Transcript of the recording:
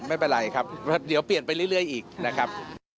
ไม่เป็นไรครับเดี๋ยวเปลี่ยนไปเรื่อยอีกนะครับ